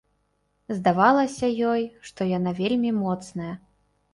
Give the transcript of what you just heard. Здавалася ёй, што яна вельмі моцная.